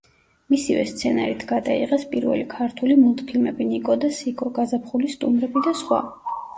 მისივე სცენარით გადაიღეს პირველი ქართული მულტფილმები: „ნიკო და სიკო“, „გაზაფხულის სტუმრები“ და სხვა.